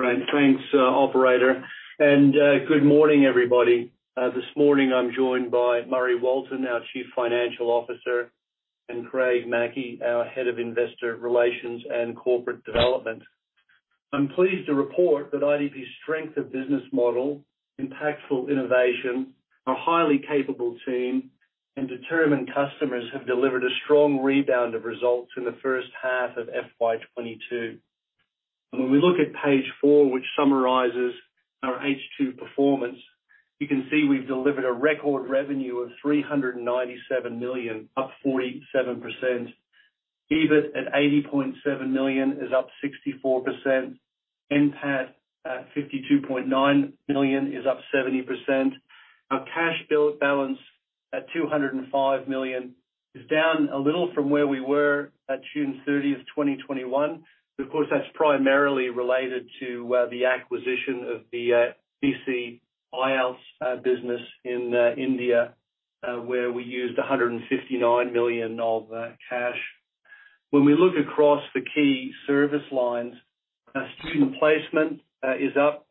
Right. Thanks, operator. Good morning, everybody. This morning I'm joined by Murray Walton, our Chief Financial Officer, and Craig Mackey, our Head of Investor Relations and Corporate Development. I'm pleased to report that IDP's strength of business model, impactful innovation, our highly capable team, and determined customers have delivered a strong rebound of results in the H1 of FY 2022. When we look at page 4, which summarizes our H2 performance, you can see we've delivered a record revenue of 397 million, up 47%. EBIT at 80.7 million is up 64%. NPAT at 52.9 million is up 70%. Our cash balance at 205 million is down a little from where we were at June 30, 2021. Of course, that's primarily related to the acquisition of the BC IELTS business in India, where we used 159 million of cash. When we look across the key service lines, student placement is up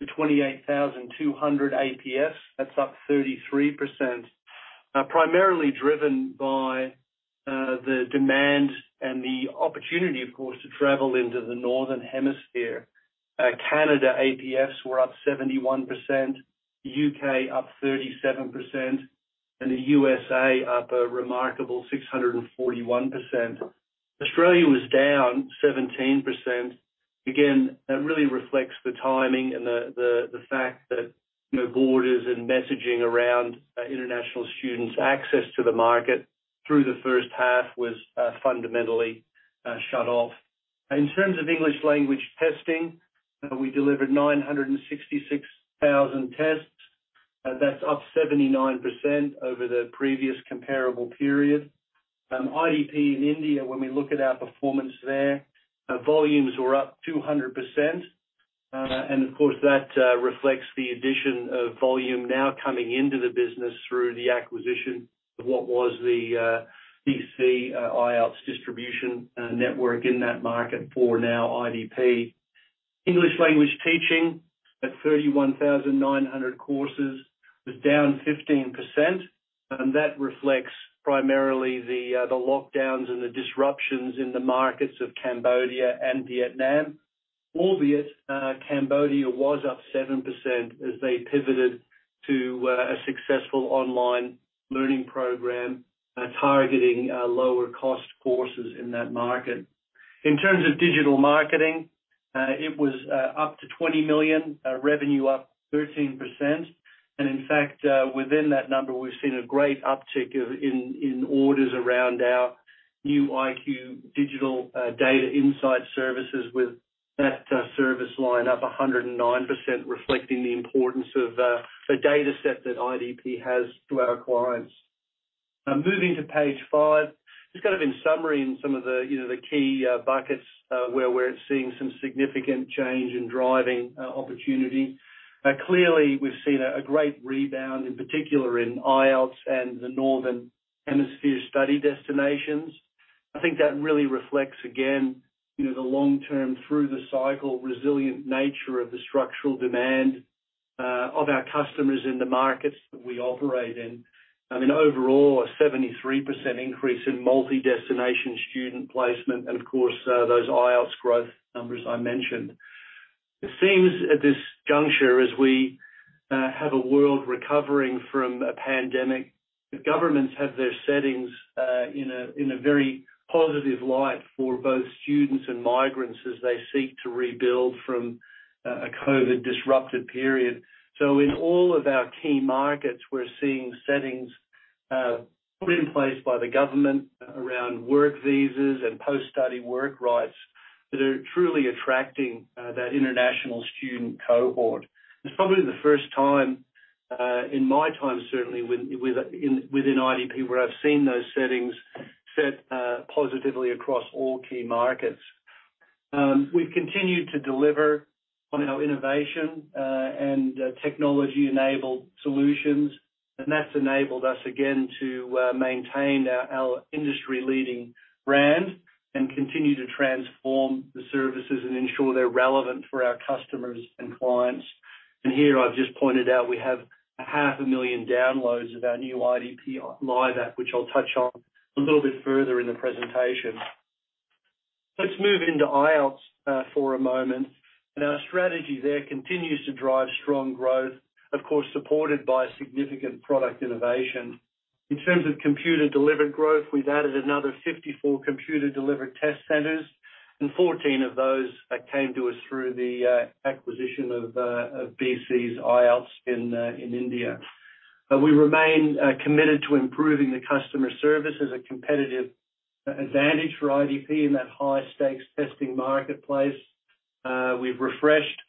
to 28,200 APFs. That's up 33%. Primarily driven by the demand and the opportunity, of course, to travel into the Northern Hemisphere. Canada APFs were up 71%, U.K. up 37%, and the USA up a remarkable 641%. Australia was down 17%. Again, that really reflects the timing and the fact that, you know, borders and messaging around international students' access to the market through the H1 was fundamentally shut off. In terms of English language testing, we delivered 966,000 tests. That's up 79% over the previous comparable period. IDP in India, when we look at our performance there, volumes were up 200%. Of course, that reflects the addition of volume now coming into the business through the acquisition of what was the BC IELTS distribution network in that market for now IDP. English language teaching at 31,900 courses was down 15%, and that reflects primarily the lockdowns and the disruptions in the markets of Cambodia and Vietnam. Albeit, Cambodia was up 7% as they pivoted to a successful online learning program targeting lower cost courses in that market. In terms of digital marketing, it was up to 20 million revenue up 13%. In fact, within that number, we've seen a great uptick of in orders around our new AI digital data insight services with that service line up 109%, reflecting the importance of the data set that IDP has to our clients. Now moving to page 5, just kind of in summary in some of the, you know, the key buckets where we're seeing some significant change in driving opportunity. Clearly, we've seen a great rebound, in particular in IELTS and the Northern Hemisphere study destinations. I think that really reflects, again, you know, the long-term through the cycle, resilient nature of the structural demand of our customers in the markets that we operate in. I mean, overall, a 73% increase in multi-destination student placement, and of course, those IELTS growth numbers I mentioned. It seems at this juncture, as we have a world recovering from a pandemic, the governments have their settings in a very positive light for both students and migrants as they seek to rebuild from a COVID disrupted period. In all of our key markets, we're seeing settings put in place by the government around work visas and post-study work rights that are truly attracting that international student cohort. It's probably the 1st time in my time, certainly within IDP, where I've seen those settings set positively across all key markets. We've continued to deliver on our innovation and technology-enabled solutions, and that's enabled us again to maintain our industry-leading brand and continue to transform the services and ensure they're relevant for our customers and clients. Here I've just pointed out we have 500,000 downloads of our new IDP Live app, which I'll touch on a little bit further in the presentation. Let's move into IELTS for a moment. Our strategy there continues to drive strong growth, of course, supported by significant product innovation. In terms of computer-delivered growth, we've added another 54 computer-delivered test centers, and 14 of those came to us through the acquisition of BC IELTS in India. We remain committed to improving the customer service as a competitive advantage for IDP in that high-stakes testing marketplace. We've refreshed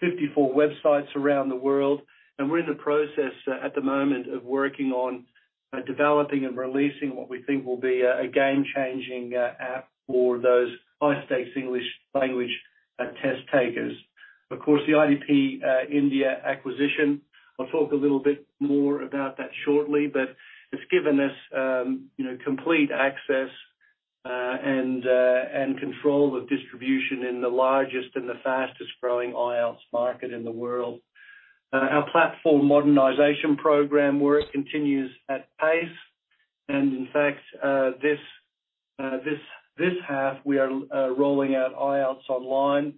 54 websites around the world, and we're in the process at the moment of working on developing and releasing what we think will be a game-changing app for those high-stakes English language test takers. Of course, the IDP India acquisition, I'll talk a little bit more about that shortly, but it's given us, you know, complete access and control of distribution in the largest and the fastest-growing IELTS market in the world. Our platform modernization program work continues at pace. In fact, this half we are rolling out IELTS Online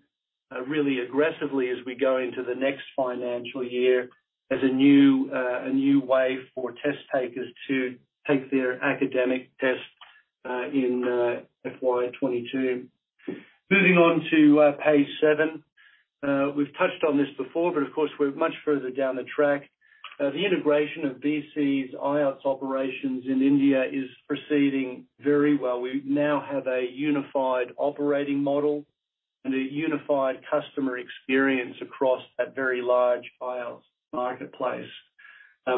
really aggressively as we go into the next financial year as a new way for test takers to take their academic test in FY 2022. Moving on to page 7. We've touched on this before, but of course, we're much further down the track. The integration of BC's IELTS operations in India is proceeding very well. We now have a unified operating model and a unified customer experience across that very large IELTS marketplace.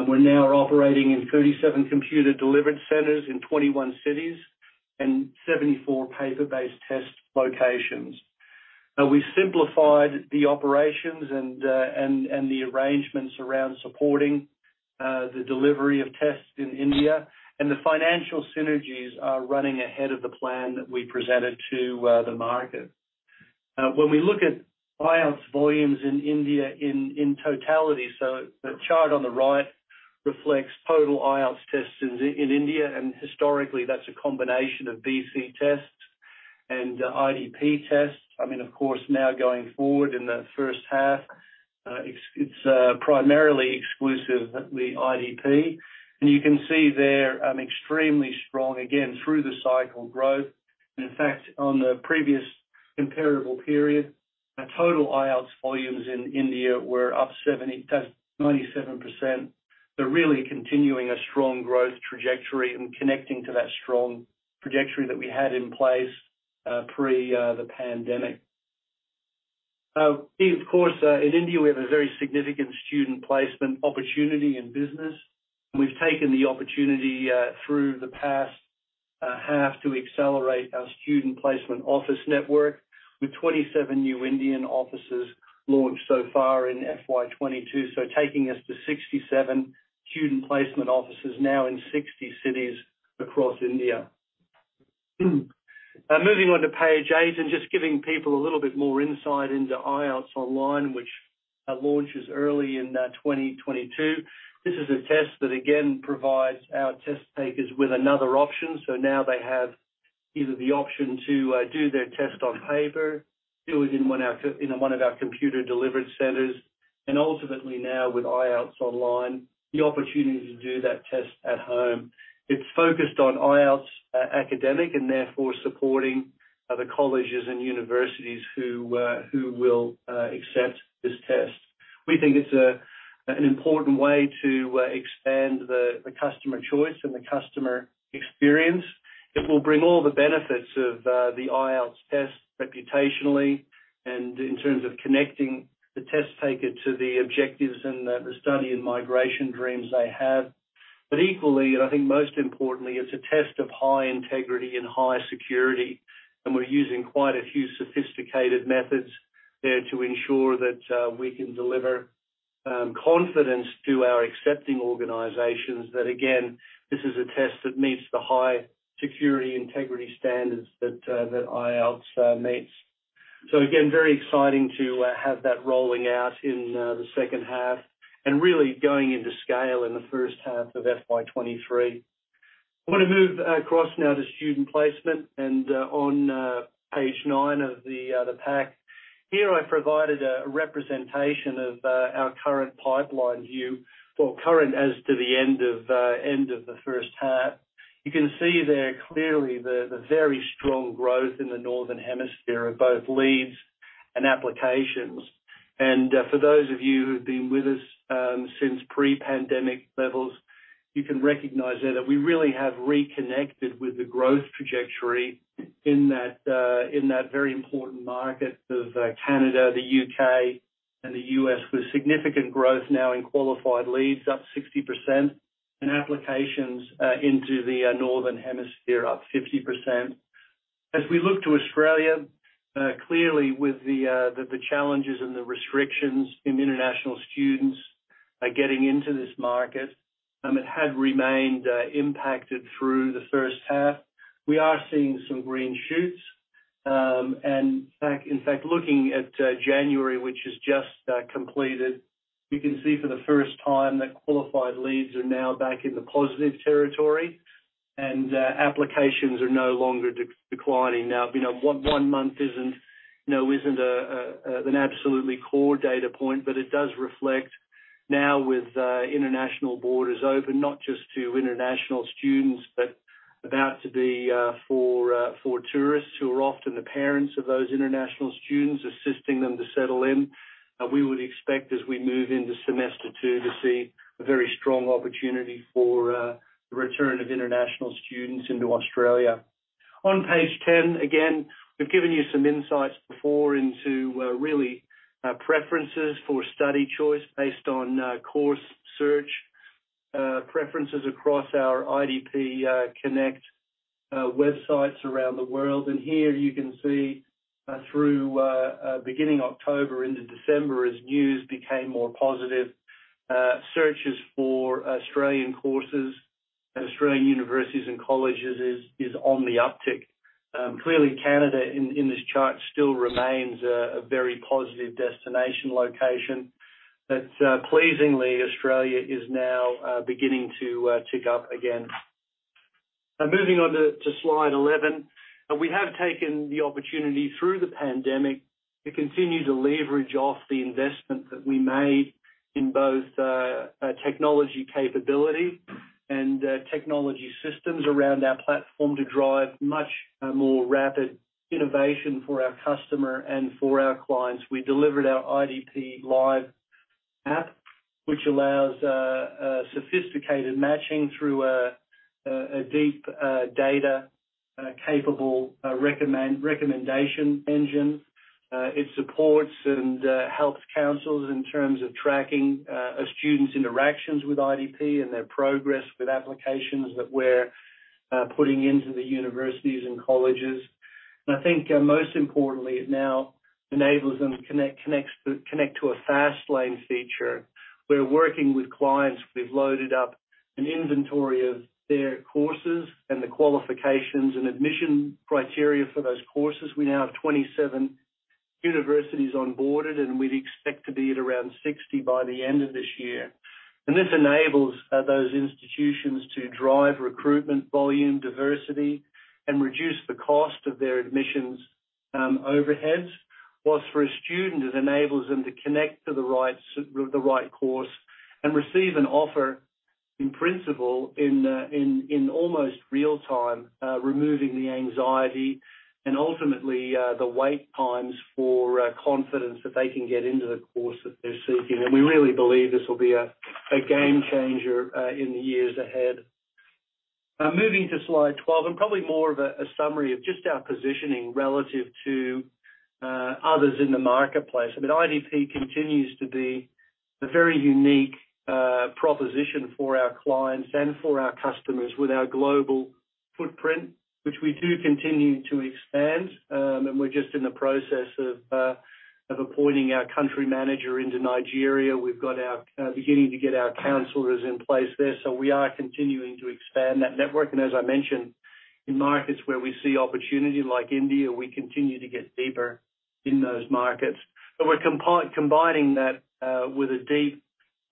We're now operating in 37 computer-delivered centers in 21 cities and 74 paper-based test locations. We simplified the operations and the arrangements around supporting the delivery of tests in India, and the financial synergies are running ahead of the plan that we presented to the market. When we look at IELTS volumes in India in totality, the chart on the right reflects total IELTS tests in India, and historically that's a combination of BC tests and IDP tests. I mean, of course, now going forward in that H1, it's primarily exclusively IDP. You can see there, extremely strong again through the cycle growth. In fact, on the previous comparable period, our total IELTS volumes in India were up 97%. They're really continuing a strong growth trajectory and connecting to that strong trajectory that we had in place pre the pandemic. Of course, in India, we have a very significant student placement opportunity and business, and we've taken the opportunity through the past half to accelerate our student placement office network with 27 new Indian offices launched so far in FY 2022. Taking us to 67 student placement offices now in 60 cities across India. Moving on to page 8 and just giving people a little bit more insight into IELTS Online, which launches early in 2022. This is a test that again provides our test takers with another option. Now they have either the option to do their test on paper, do it in one of our computer delivered centers, and ultimately now with IELTS Online, the opportunity to do that test at home. It's focused on IELTS Academic and therefore supporting the colleges and universities who will accept this test. We think it's an important way to expand the customer choice and the customer experience. It will bring all the benefits of the IELTS test reputationally and in terms of connecting the test taker to the objectives and the study and migration dreams they have. Equally, and I think most importantly, it's a test of high integrity and high security, and we're using quite a few sophisticated methods there to ensure that we can deliver confidence to our accepting organizations that again, this is a test that meets the high security integrity standards that that IELTS meets. Again, very exciting to have that rolling out in the H2 and really going into scale in the H1 of FY 2023. I'm going to move across now to student placement and on page 9 of the pack. Here I provided a representation of our current pipeline view. Well, current as to the end of the H1. You can see there clearly the very strong growth in the Northern Hemisphere of both leads and applications. For those of you who've been with us since pre-pandemic levels, you can recognize there that we really have reconnected with the growth trajectory in that very important market of Canada, the U.K., and the U.S., with significant growth now in qualified leads, up 60%, and applications into the Northern Hemisphere, up 50%. As we look to Australia, clearly with the challenges and the restrictions in international students getting into this market, it had remained impacted through the H1. We are seeing some green shoots. In fact, looking at January, which is just completed, we can see for the 1st time that qualified leads are now back in the positive territory and applications are no longer declining. Now, you know, one month isn't an absolutely core data point, but it does reflect now with international borders open not just to international students, but about to be for tourists who are often the parents of those international students assisting them to settle in. We would expect as we move into semester two to see a very strong opportunity for the return of international students into Australia. On page 10, again, we've given you some insights before into really preferences for study choice based on course search preferences across our IDP Connect websites around the world. Here you can see through beginning October into December as news became more positive searches for Australian courses and Australian universities and colleges is on the uptick. Clearly Canada in this chart still remains a very positive destination location. Pleasingly Australia is now beginning to tick up again. Now moving on to slide eleven. We have taken the opportunity through the pandemic to continue to leverage off the investment that we made in both technology capability and technology systems around our platform to drive much more rapid innovation for our customer and for our clients. We delivered our IDP Live app, which allows a sophisticated matching through a deep data capable recommendation engine. It supports and helps counselors in terms of tracking a student's interactions with IDP and their progress with applications that we're putting into the universities and colleges. I think most importantly, it now enables them to connect to a FastLane feature. We're working with clients. We've loaded up an inventory of their courses and the qualifications and admission criteria for those courses. We now have 27 universities onboarded, and we'd expect to be at around 60 by the end of this year. This enables those institutions to drive recruitment, volume, diversity, and reduce the cost of their admissions overheads, while for a student, it enables them to connect to the right course and receive an offer in principle in almost real-time, removing the anxiety and ultimately the wait times for confidence that they can get into the course that they're seeking. We really believe this will be a game changer in the years ahead. Now moving to slide 12, and probably more of a summary of just our positioning relative to others in the marketplace. I mean, IDP continues to be a very unique proposition for our clients and for our customers with our global footprint, which we do continue to expand, and we're just in the process of appointing our country manager into Nigeria. We're beginning to get our counselors in place there. We are continuing to expand that network. As I mentioned, in markets where we see opportunity like India, we continue to get deeper in those markets. We're combining that with a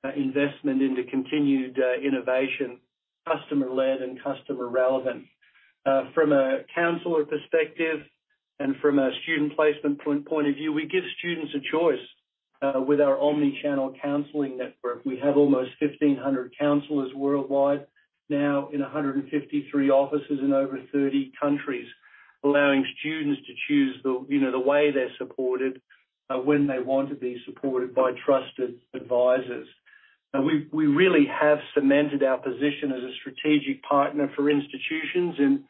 deep investment into continued innovation, customer-led and customer relevant. From a counselor perspective and from a student placement point of view, we give students a choice with our omni-channel counseling network. We have almost 1,500 counselors worldwide now in 153 offices in over 30 countries, allowing students to choose the, you know, the way they're supported, when they want to be supported by trusted advisors. We really have cemented our position as a strategic partner for institutions in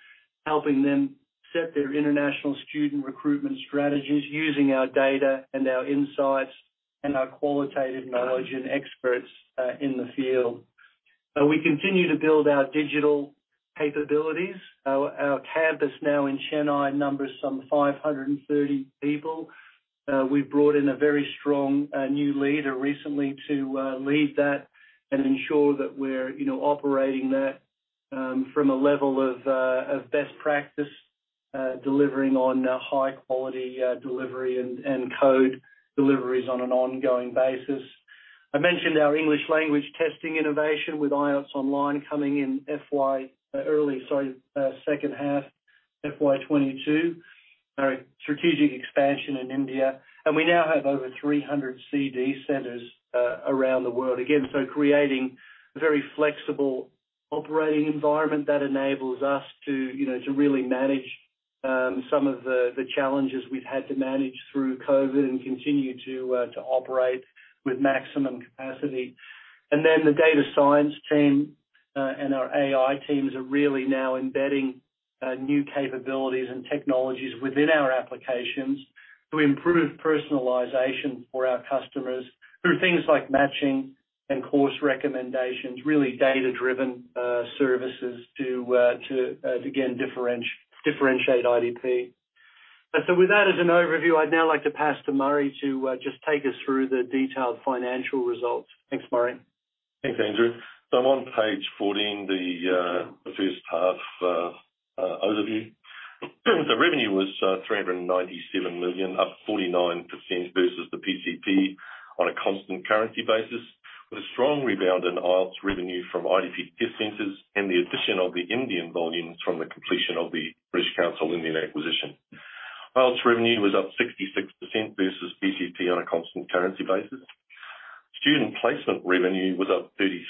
helping them set their international student recruitment strategies using our data and our insights and our qualitative knowledge and experts in the field. We continue to build our digital capabilities. Our campus now in Chennai numbers some 530 people. We've brought in a very strong new leader recently to lead that and ensure that we're, you know, operating that from a level of best practice, delivering on high-quality delivery and code deliveries on an ongoing basis. I mentioned our English language testing innovation with IELTS Online coming in H2 FY 2022. Our strategic expansion in India. We now have over 300 CEED centers around the world. Creating a very flexible operating environment that enables us to, you know, really manage some of the challenges we've had to manage through COVID and continue to operate with maximum capacity. The data science team and our AI teams are really now embedding new capabilities and technologies within our applications to improve personalization for our customers through things like matching and course recommendations, really data-driven services to again differentiate IDP. With that as an overview, I'd now like to pass to Murray to just take us through the detailed financial results. Thanks, Murray. Thanks, Andrew. I'm on page 14, the H1 overview. The revenue was 397 million, up 49% versus the PCP on a constant currency basis, with a strong rebound in IELTS revenue from IDP test centers and the addition of the Indian volumes from the completion of the British Council India acquisition. IELTS revenue was up 66% versus PCP on a constant currency basis. Student placement revenue was up 33%,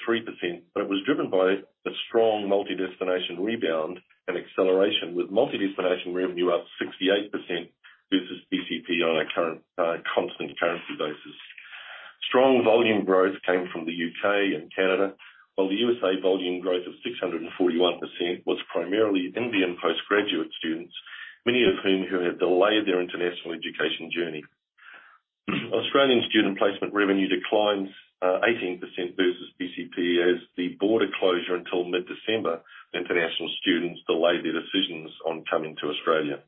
but it was driven by the strong multi-destination rebound and acceleration, with multi-destination revenue up 68% versus PCP on a constant currency basis. Strong volume growth came from the U.K. and Canada, while the U.S. volume growth of 641% was primarily Indian postgraduate students, many of whom who had delayed their international education journey. Australian student placement revenue declines 18% versus PCP as the border closure until mid-December, international students delay their decisions on coming to Australia.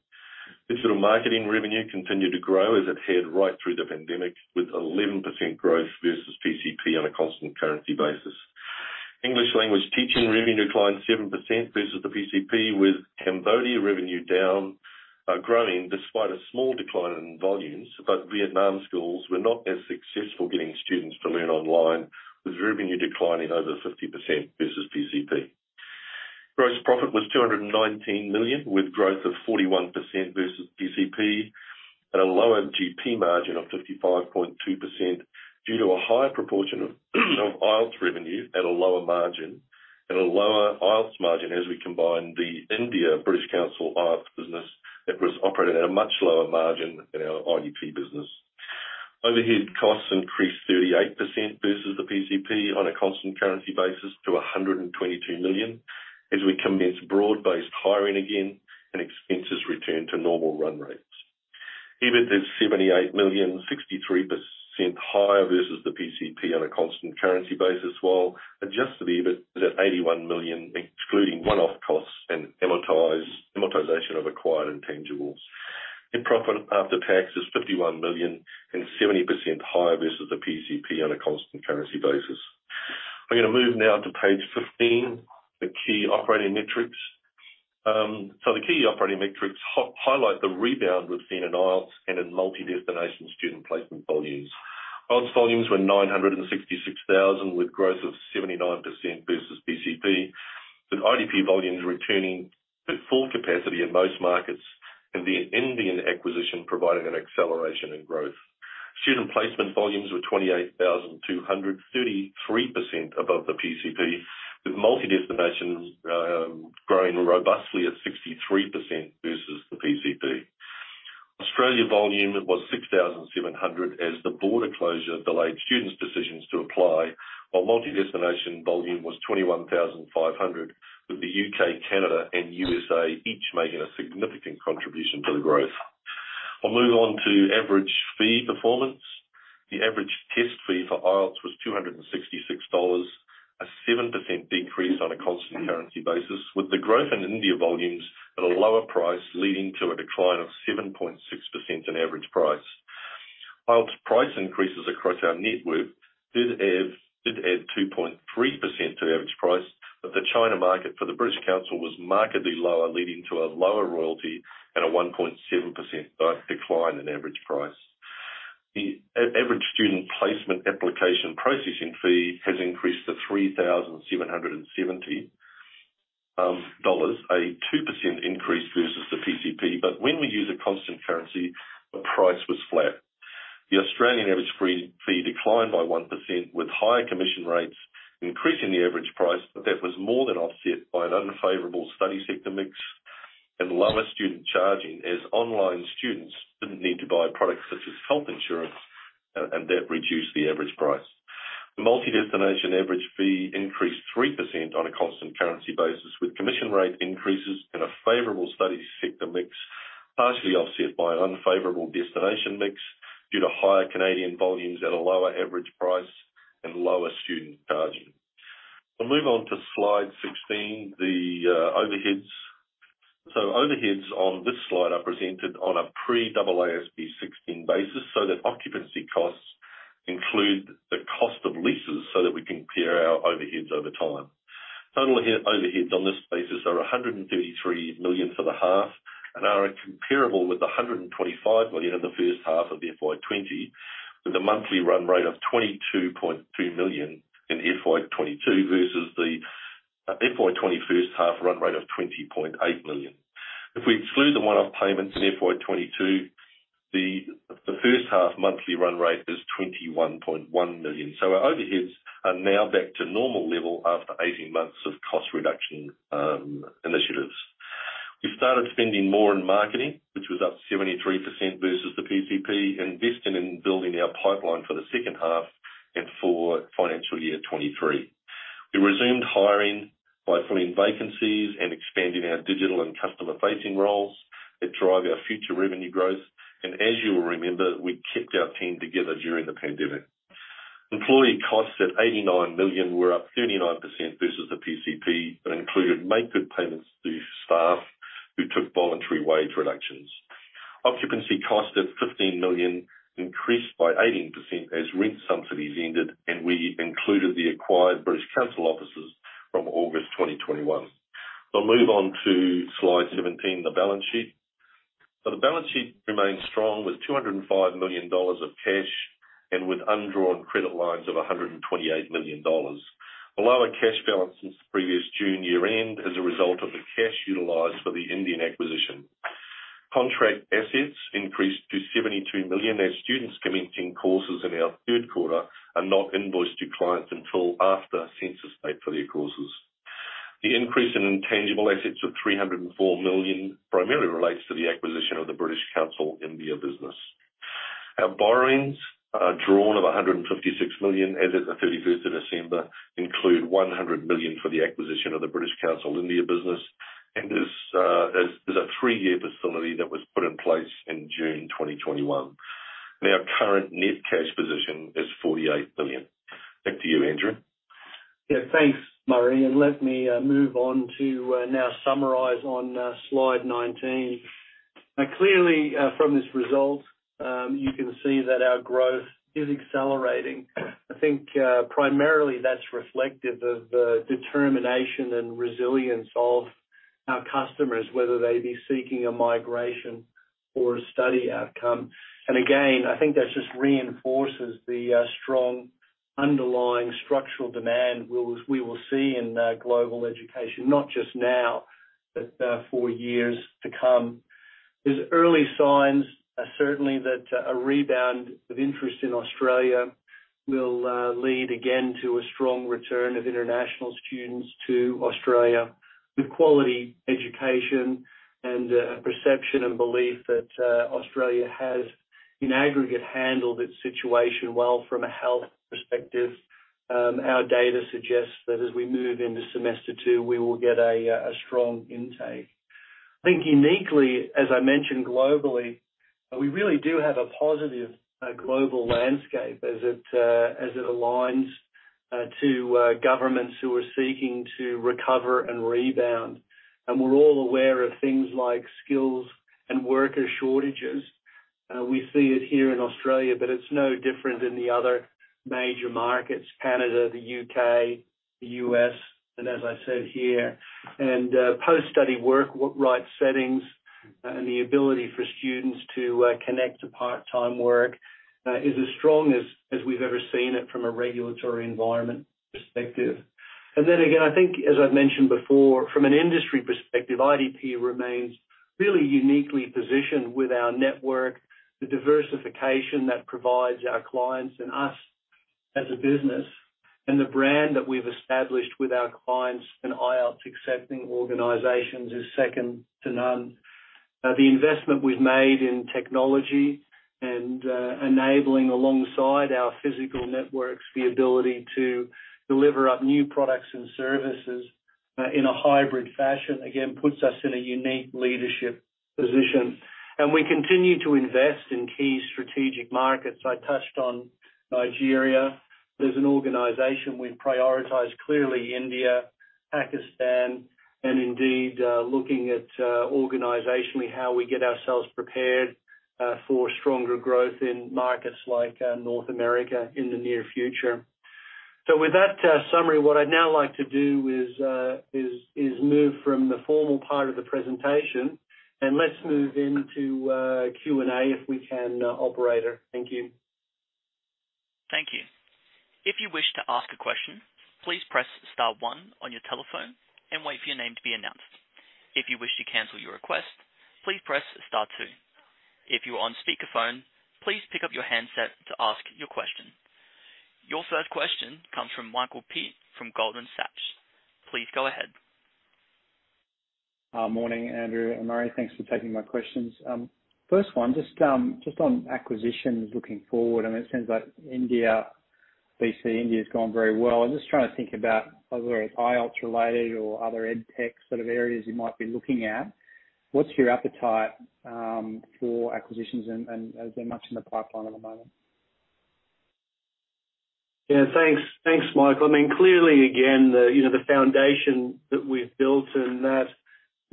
Digital marketing revenue continued to grow as it had right through the pandemic, with 11% growth versus PCP on a constant currency basis. English language teaching revenue declined 7% versus the PCP, with Cambodia revenue down, growing despite a small decline in volumes. Vietnam schools were not as successful getting students to learn online, with revenue declining over 50% versus PCP. Gross profit was 219 million, with growth of 41% versus PCP and a lower GP margin of 55.2% due to a higher proportion of IELTS revenue at a lower margin and a lower IELTS margin as we combine the India British Council IELTS business that was operating at a much lower margin than our IDP business. Overhead costs increased 38% versus the PCP on a constant currency basis to 122 million as we commence broad-based hiring again and expenses return to normal run rates. EBIT is 78 million, 63% higher versus the PCP on a constant currency basis, while adjusted EBIT is at 81 million, excluding one-off costs and amortization of acquired intangibles. Net profit after tax is 51 million and 70% higher versus the PCP on a constant currency basis. I'm going to move now to page 15, the key operating metrics. The key operating metrics highlight the rebound we've seen in IELTS and in multi-destination student placement volumes. IELTS volumes were 966,000, with growth of 79% versus PCP, with IDP volumes returning to full capacity in most markets, and the Indian acquisition providing an acceleration in growth. Student placement volumes were 28,200, 33% above the PCP, with multi-destination growing robustly at 63% versus the PCP. Australia volume was 6,700 as the border closure delayed students' decisions to apply, while multi-destination volume was 21,500, with the U.K., Canada and U.S. each making a significant contribution to the growth. I'll move on to average fee performance. The average test fee for IELTS was 266 dollars, a 7% decrease on a constant currency basis, with the growth in India volumes at a lower price leading to a decline of 7.6% in average price. IELTS price increases across our network did add 2.3% to average price, but the China market for the British Council was markedly lower, leading to a lower royalty and a 1.7% decline in average price. The average student placement application processing fee has increased to 3,770 dollars, a 2% increase versus the PCP. When we use a constant currency, the price was flat. The Australian average fee declined by 1%, with higher commission rates increasing the average price. That was more than offset by an unfavorable study sector mix and lower student charging, as online students didn't need to buy products such as health insurance, and that reduced the average price. The multi-destination average fee increased 3% on a constant currency basis, with commission rate increases and a favorable study sector mix, partially offset by an unfavorable destination mix due to higher Canadian volumes at a lower average price and lower student charging. We'll move on to slide 16, the overheads. Overheads on this slide are presented on a pre-AASB 16 basis, so that occupancy costs include the cost of leases so that we can compare our overheads over time. Total overheads on this basis are 133 million for the half and are comparable with the 125 million in the h1 of the FY 2020, with a monthly run rate of 22.2 million in FY 2022 versus the FY 2021 H1 run rate of 20.8 million. If we exclude the one-off payments in FY 2022, the fH1 monthly run rate is 21.1 million. Our overheads are now back to normal level after 18 months of cost-reduction initiatives. We started spending more in marketing, which was up 73% versus the PCP, investing in building our pipeline for the H2 and for financial year 2023. We resumed hiring by filling vacancies and expanding our digital and customer-facing roles that drive our future revenue growth. As you will remember, we kept our team together during the pandemic. Employee costs at 89 million were up 39% versus the PCP, and included make good payments to staff who took voluntary wage reductions. Occupancy costs at 15 million increased by 18% as rent subsidies ended, and we included the acquired British Council offices from August 2021. We'll move on to slide 17, the balance sheet. The balance sheet remains strong with 205 million dollars of cash and with undrawn credit lines of 128 million dollars. A lower cash balance since the previous June year-end as a result of the cash utilized for the Indian acquisition. Contract assets increased to 72 million as students commencing courses in our Q3 are not invoiced to clients until after census date for their courses. The increase in intangible assets of 304 million primarily relates to the acquisition of the British Council India business. Our borrowings are drawn of 156 million as at 31 December, including 100 million for the acquisition of the British Council India business. It is a three-year facility that was put in place in June 2021. Now, our current net cash position is 48 million. Back to you, Andrew. Yeah. Thanks, Murray. Let me move on to now summarize on slide 19. Now, clearly, from this result, you can see that our growth is accelerating. I think, primarily that's reflective of the determination and resilience of our customers, whether they be seeking a migration or a study outcome. Again, I think that just reinforces the strong underlying structural demand we will see in global education, not just now, but for years to come. There's early signs, certainly that a rebound of interest in Australia will lead again to a strong return of international students to Australia with quality education and a perception and belief that Australia has, in aggregate, handled its situation well from a health perspective. Our data suggests that as we move into semester two, we will get a strong intake. I think uniquely, as I mentioned globally, we really do have a positive global landscape as it aligns to governments who are seeking to recover and rebound. We're all aware of things like skills and worker shortages. We see it here in Australia, but it's no different than the other major markets, Canada, the U.K., the U.S., and as I said here. Post-study work rights settings, and the ability for students to connect to part-time work, is as strong as we've ever seen it from a regulatory environment perspective. I think as I've mentioned before, from an industry perspective, IDP remains really uniquely positioned with our network, the diversification that provides our clients and us as a business, and the brand that we've established with our clients and IELTS accepting organizations is 2nd to none. The investment we've made in technology and enabling alongside our physical networks, the ability to deliver up new products and services in a hybrid fashion, again, puts us in a unique leadership position. We continue to invest in key strategic markets. I touched on Nigeria. There's an organization we've prioritized, clearly India, Pakistan, and indeed, looking at organizationally, how we get ourselves prepared for stronger growth in markets like North America in the near future. With that summary, what I'd now like to do is move from the formal part of the presentation, and let's move into Q&A if we can, operator. Thank you. Thank you. If you wish to ask a question, please press star one on your telephone and wait for your name to be announced. If you wish to cancel your request, please press star two. If you are on speakerphone, please pick up your handset to ask your question. Your 1st question comes from Michael Peet from Goldman Sachs. Please go ahead. Morning, Andrew and Murray. Thanks for taking my questions. 1st one, just on acquisitions looking forward, I mean, it seems like India, we see India's gone very well. I'm just trying to think about other IELTS related or other ed tech sort of areas you might be looking at. What's your appetite for acquisitions and is there much in the pipeline at the moment? Yeah, thanks. Thanks, Michael. I mean, clearly again, you know, the foundation that we've built and that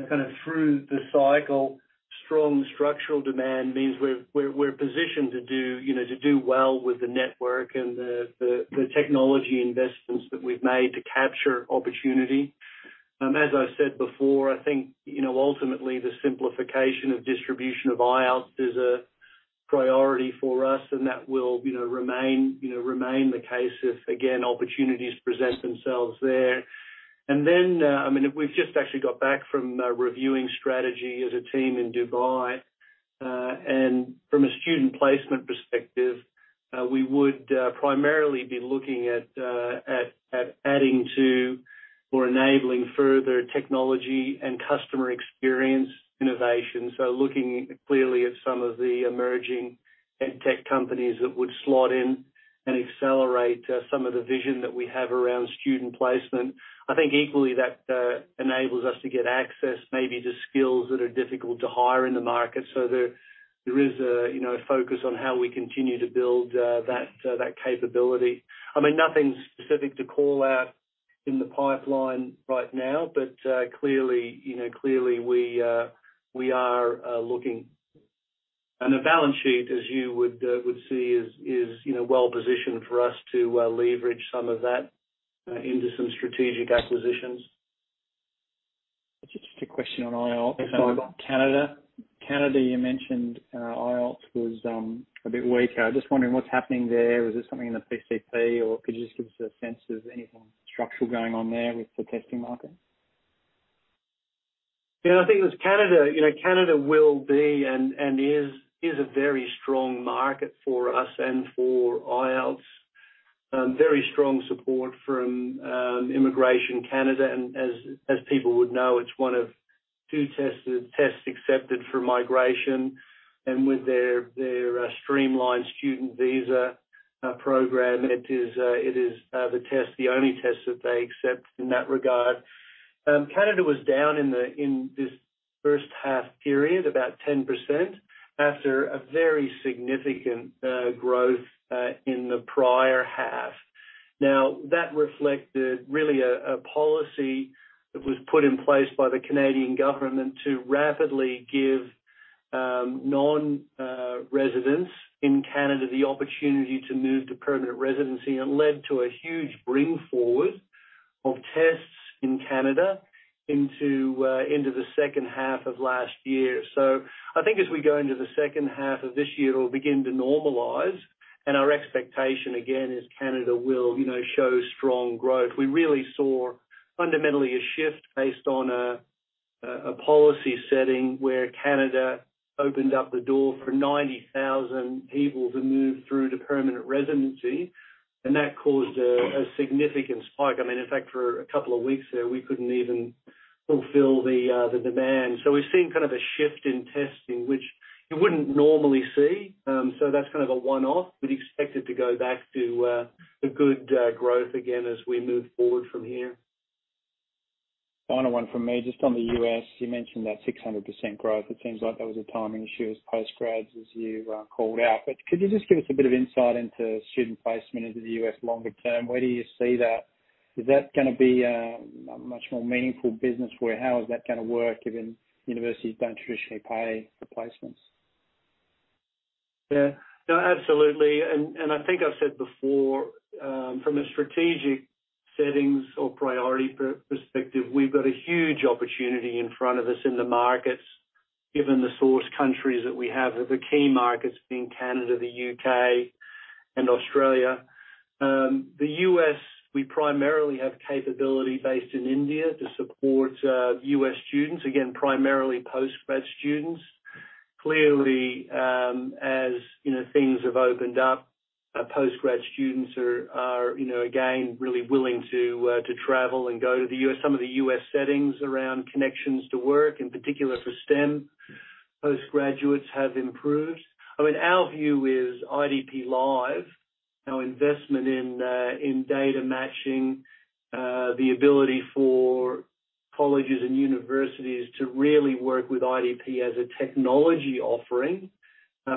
kind of through the cycle, strong structural demand means we're positioned to do, you know, to do well with the network and the technology investments that we've made to capture opportunity. As I said before, I think, you know, ultimately the simplification of distribution of IELTS is a priority for us, and that will, you know, remain the case if, again, opportunities present themselves there. Then, I mean, we've just actually got back from reviewing strategy as a team in Dubai. From a student placement perspective, we would primarily be looking at adding to or enabling further technology and customer experience innovation. Looking clearly at some of the emerging ed tech companies that would slot in and accelerate some of the vision that we have around student placement. I think equally, that enables us to get access maybe to skills that are difficult to hire in the market. There is a you know a focus on how we continue to build that capability. I mean, nothing specific to call out in the pipeline right now, but clearly we are looking. The balance sheet, as you would see, is well-positioned for us to leverage some of that into some strategic acquisitions. Just a question on IELTS. Yes, Michael. Canada. Canada, you mentioned, IELTS was a bit weaker. Just wondering what's happening there. Was it something in the PCP, or could you just give us a sense of anything structural going on there with the testing market? Yeah, I think it was Canada. You know, Canada will be and is a very strong market for us and for IELTS. Very strong support from Immigration Canada. As people would know, it's one of two tests accepted for migration and with their streamlined student visa program. It is the only test that they accept in that regard. Canada was down in this H1 period about 10% after a very significant growth in the prior half. Now, that reflected really a policy that was put in place by the Canadian government to rapidly give non-residents in Canada the opportunity to move to permanent residency and led to a huge bring forward of tests in Canada into the H2 of last year. I think as we go into the H2 of this year, it'll begin to normalize, and our expectation again is Canada will show strong growth. We really saw fundamentally a shift based on a policy setting where Canada opened up the door for 90,000 people to move through to permanent residency, and that caused a significant spike. I mean, in fact, for a couple of weeks there, we couldn't even fulfill the demand. We've seen kind of a shift in testing, which you wouldn't normally see. That's kind of a one-off. We'd expect it to go back to the good growth again as we move forward from here. Final one from me. Just on the U.S., you mentioned that 600% growth. It seems like that was a timing issue as post-grads, as you called out. Could you just give us a bit of insight into student placement into the U.S. longer term? Where do you see that? Is that going to be a much more meaningful business? Where, how is that going to work, given universities don't traditionally pay for placements? Yeah. No, absolutely. I think I've said before, from a strategic settings or priority perspective, we've got a huge opportunity in front of us in the markets, given the source countries that we have, the key markets being Canada, the U.K., and Australia. The U.S., we primarily have capability based in India to support U.S. students, again, primarily post-grad students. Clearly, as you know, things have opened up. Post-grad students are again really willing to travel and go to the U.S. Some of the U.S. settings around connections to work, in particular for STEM postgraduates, have improved. I mean, our view is IDP Live, our investment in data matching, the ability for colleges and universities to really work with IDP as a technology offering,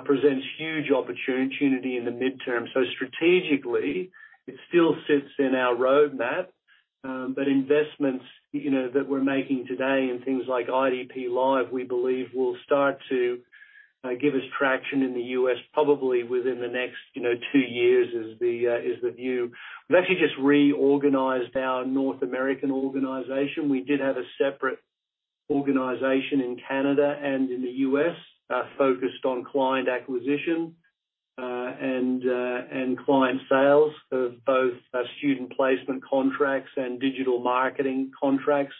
presents huge opportunity in the midterm. Strategically, it still sits in our roadmap. But investments, you know, that we're making today in things like IDP Live, we believe will start to give us traction in the U.S. probably within the next, you know, two years is the view. We've actually just reorganized our North American organization. We did have a separate organization in Canada and in the U.S. focused on client acquisition and client sales of both student placement contracts and digital marketing contracts.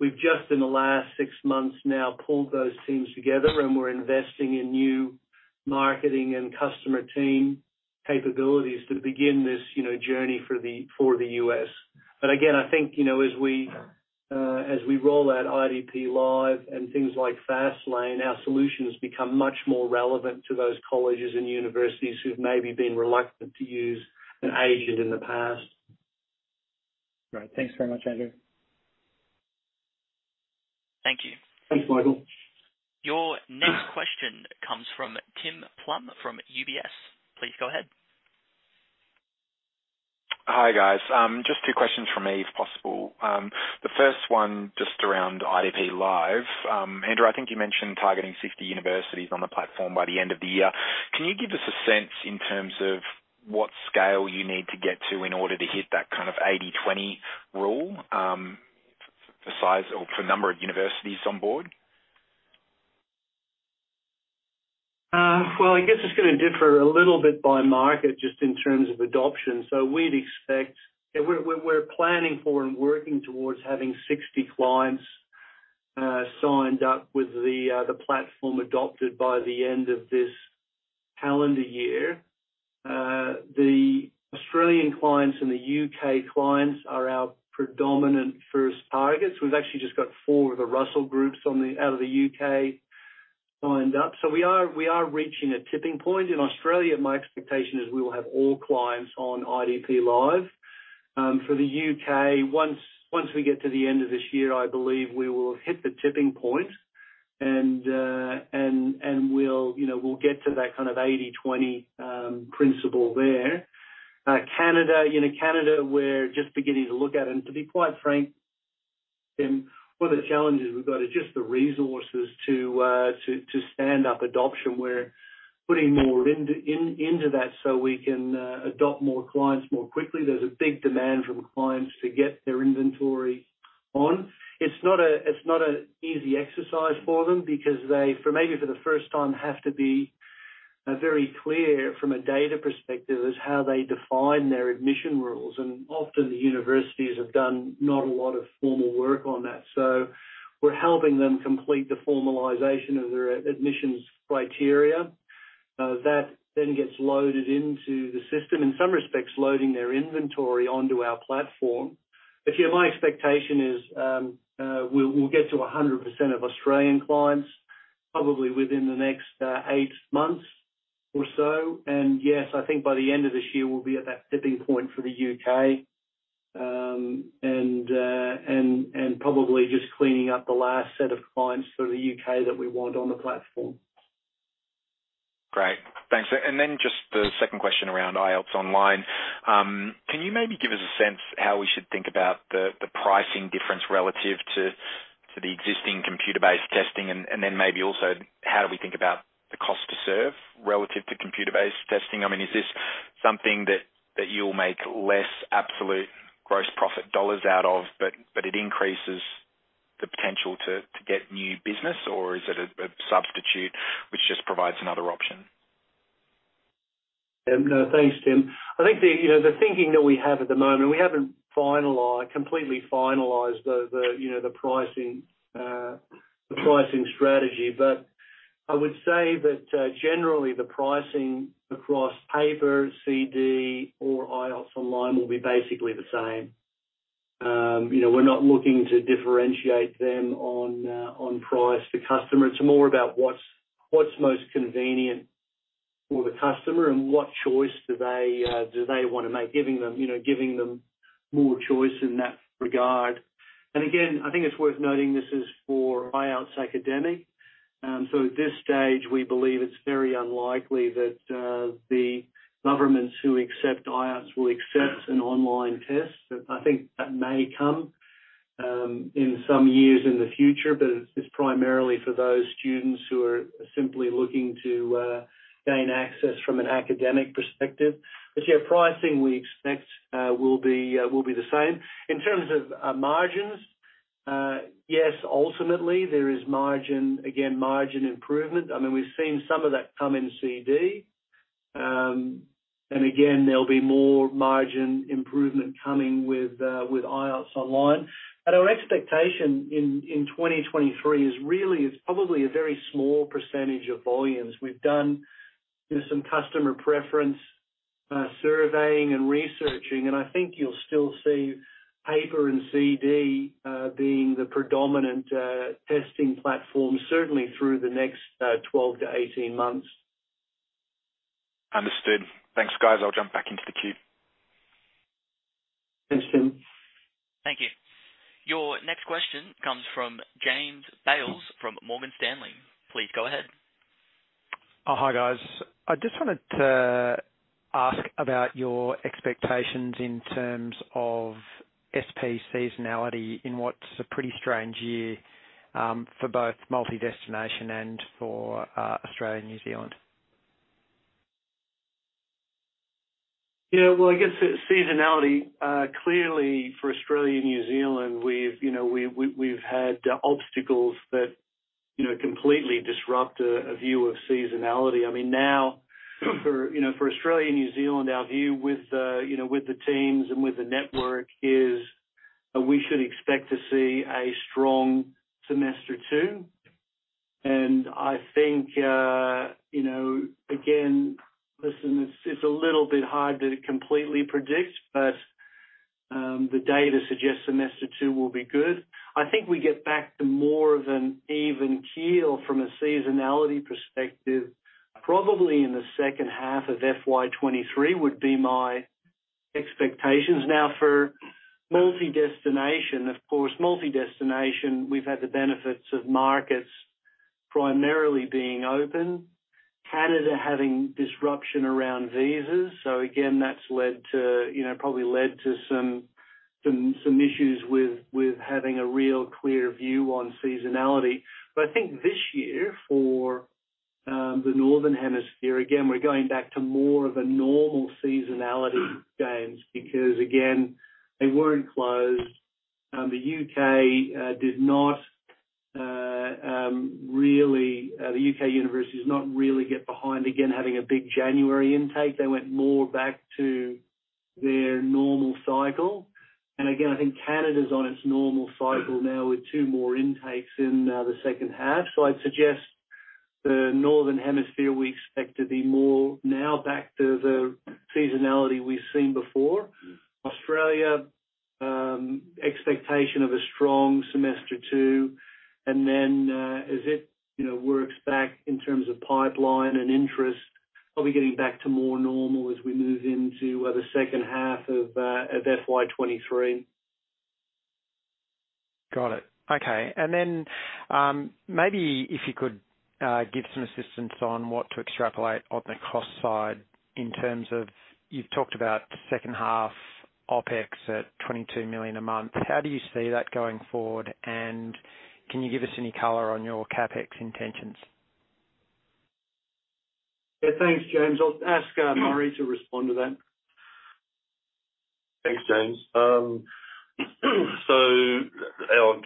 We've just in the last 6 months now pulled those teams together, and we're investing in new marketing and customer team capabilities to begin this, you know, journey for the U.S. I think, you know, as we roll out IDP Live and things like FastLane, our solutions become much more relevant to those colleges and universities who've maybe been reluctant to use an agent in the past. Right. Thanks very much, Andrew. Thank you. Thanks, Michael. Your next question comes from Tim Plumbe from UBS. Please go ahead. Hi, guys. Just two questions from me, if possible. The 1st one just around IDP Live. Andrew, I think you mentioned targeting 50 universities on the platform by the end of the year. Can you give us a sense in terms of what scale you need to get to in order to hit that kind of 80/20 rule, for size or for number of universities on board? Well, I guess it's going to differ a little bit by market just in terms of adoption. We're planning for and working towards having 60 clients signed up with the platform adopted by the end of this calendar year. The Australian clients and the U.K. clients are our predominant 1st targets. We've actually just got 4 of the Russell Group out of the U.K. signed up. We are reaching a tipping point. In Australia, my expectation is we will have all clients on IDP Live. For the U.K., once we get to the end of this year, I believe we will have hit the tipping point. We'll get to that kind of 80/20 principle there, you know. Canada, you know, we're just beginning to look at. To be quite frank, Tim, one of the challenges we've got is just the resources to stand up adoption. We're putting more into that so we can adopt more clients more quickly. There's a big demand from clients to get their inventory on. It's not an easy exercise for them because they, for maybe the 1st time, have to be very clear from a data perspective as how they define their admission rules. Often the universities have done not a lot of formal work on that. We're helping them complete the formalization of their admissions criteria. That then gets loaded into the system, in some respects, loading their inventory onto our platform. Yeah, my expectation is we'll get to 100% of Australian clients probably within the next 8 months or so. Yes, I think by the end of this year, we'll be at that tipping point for the U.K. And probably just cleaning up the last set of clients for the U.K. that we want on the platform. Great. Thanks. Just the 2nd question around IELTS Online. Can you maybe give us a sense how we should think about the pricing difference relative to the existing computer-based testing? Maybe also how do we think about the cost to serve relative to computer-based testing? I mean, is this something that you'll make less absolute gross profit dollars out of, but it increases the potential to get new business? Or is it a substitute which just provides another option? No. Thanks, Tim. I think the thinking that we have at the moment. We haven't completely finalized the pricing strategy. I would say that generally the pricing across paper, CD, or IELTS Online will be basically the same. You know, we're not looking to differentiate them on price to customer. It's more about what's most convenient for the customer and what choice do they want to make. Giving them more choice in that regard. Again, I think it's worth noting this is for IELTS Academic. At this stage, we believe it's very unlikely that the governments who accept IELTS will accept an online test. I think that may come in some years in the future. It's primarily for those students who are simply looking to gain access from an academic perspective. Yeah, pricing we expect will be the same. In terms of margins, yes, ultimately there is margin, again, margin improvement. I mean, we've seen some of that come in CD. And again, there'll be more margin improvement coming with IELTS Online. Our expectation in 2023 is really probably a very small percentage of volumes. We've done, you know, some customer preference surveying and researching, and I think you'll still see paper and CD being the predominant testing platform certainly through the next 12 to 18 months. Understood. Thanks, guys. I'll jump back into the queue. Thanks, Tim. Thank you. Your next question comes from James Bales from Morgan Stanley. Please go ahead. Oh, hi, guys. I just wanted to ask about your expectations in terms of SP seasonality in what's a pretty strange year, for both multi-destination and for, Australia and New Zealand? Yeah. Well, I guess seasonality clearly for Australia and New Zealand we've, you know, had obstacles that, you know, completely disrupt a view of seasonality. I mean, now, you know, for Australia and New Zealand, our view with, you know, with the teams and with the network is we should expect to see a strong semester two. I think, you know, again, listen, it's a little bit hard to completely predict, but the data suggests semester two will be good. I think we get back to more of an even keel from a seasonality perspective, probably in the H2 of FY 2023 would be my expectations. Now for multi-destination. Of course, multi-destination, we've had the benefits of markets primarily being open, Canada having disruption around visas. Again, that's led to probably some issues with having a real clear view on seasonality. I think this year for the Northern Hemisphere, again, we're going back to more of a normal seasonality, James. Because again, they weren't closed. The U.K. universities did not really get behind again having a big January intake. They went more back to their normal cycle. I think Canada's on its normal cycle now with two more intakes in the H2. I'd suggest the Northern Hemisphere we expect to be more now back to the seasonality we've seen before. Australia, expectation of a strong semester two, and then, as it, you know, works back in terms of pipeline and interest, probably getting back to more normal as we move into the H2 of FY 2023. Got it. Okay. Maybe if you could give some assistance on what to extrapolate on the cost side in terms of you've talked about H2 OpEx at 22 million a month. How do you see that going forward? Can you give us any color on your CapEx intentions? Yeah. Thanks, James. I'll ask Murray to respond to that. Thanks, James. Our